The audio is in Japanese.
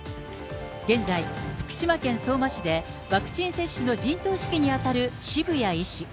現在、福島県相馬市で、ワクチン接種の陣頭指揮に当たる渋谷医師。